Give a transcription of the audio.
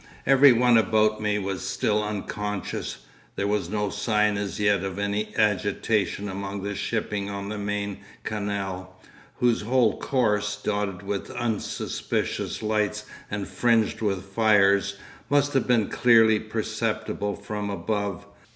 Every one about me was still unconscious; there was no sign as yet of any agitation among the shipping on the main canal, whose whole course, dotted with unsuspicious lights and fringed with fires, must have been clearly perceptible from above.